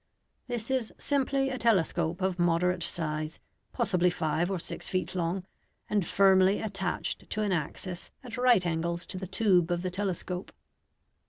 This is simply a telescope of moderate size, possibly five or six feet long, and firmly attached to an axis at right angles to the tube of the telescope.